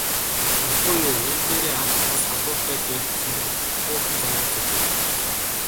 Харахгүй юу, энэ дээрээ алх бас хадууртай гээд сонирхуулан зааж үзүүлэв.